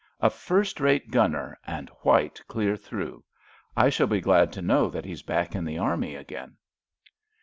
A first rate gunner and white clear through. I shall be glad to know that he's back in the army again."